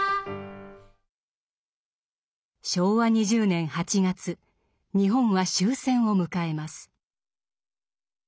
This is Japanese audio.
昭和２０年８月日本は終戦を迎えます。